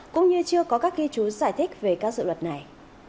cũng như chưa có các ghi chú giải thích về các dự luật này